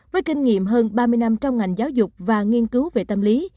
với kinh nghiệm hơn ba mươi năm trong ngành giáo dục và nghiên cứu về tâm lý